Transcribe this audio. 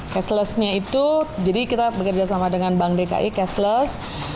cashless nya itu jadi kita bekerja sama dengan bank dki cashless